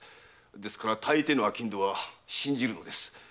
ですから大抵の商人は信じるのです。